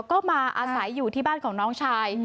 ก็มาอาศัยอยู่ที่บ้านของน้องชาย